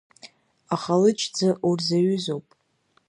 Ахалыҷ-ӡы урзаҩызоуп.